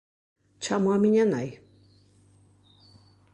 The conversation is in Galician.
Chamo á miña nai?